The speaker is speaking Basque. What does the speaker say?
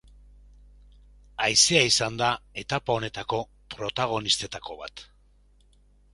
Haizea izan da etapa honetako protagonistetako bat.